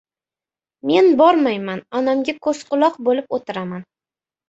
Men bormayman, onamga ko‘z-quloq bo‘lib o‘tiraman.